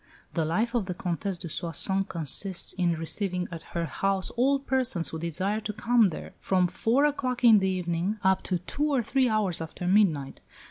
The life of the Comtesse de Soissons consists in receiving at her house all persons who desire to come there, from four o'clock in the evening up to two or three hours after midnight.